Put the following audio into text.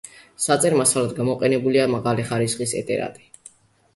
საწერ მასალად გამოყენებულია მაღალი ხარისხის ეტრატი.